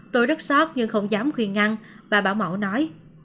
tôi rất sót nhưng không dám khuyên ngăn bà bảo nói